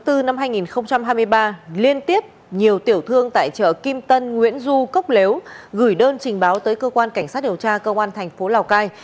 tháng bốn năm hai nghìn hai mươi ba liên tiếp nhiều tiểu thương tại chợ kim tân nguyễn du cốc léo gửi đơn trình báo tới cơ quan cảnh sát điều tra công an tp lào cai